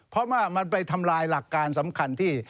เพราะว่ามันไปทำลายหลักการสำคัญที่